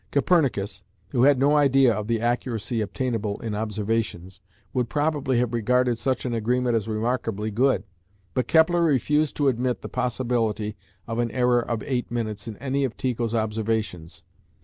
Copernicus, who had no idea of the accuracy obtainable in observations, would probably have regarded such an agreement as remarkably good; but Kepler refused to admit the possibility of an error of eight minutes in any of Tycho's observations.